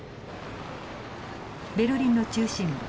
ベルリンの中心部。